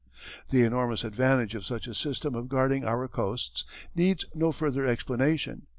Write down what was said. The enormous advantage of such a system of guarding our coasts needs no further explanation.